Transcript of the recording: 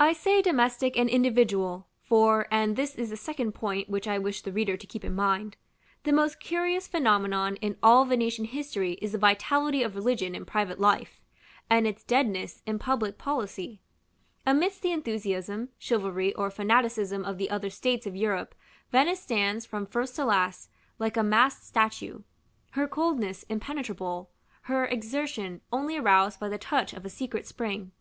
I say domestic and individual; for and this is the second point which I wish the reader to keep in mind the most curious phenomenon in all Venetian history is the vitality of religion in private life, and its deadness in public policy. Amidst the enthusiasm, chivalry, or fanaticism of the other states of Europe, Venice stands, from first to last, like a masked statue; her coldness impenetrable, her exertion only aroused by the touch of a secret spring.